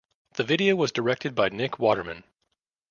The video was directed by Nick Waterman.